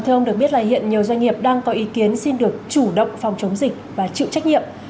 thưa ông được biết là hiện nhiều doanh nghiệp đang có ý kiến xin được chủ động phòng chống dịch và chịu trách nhiệm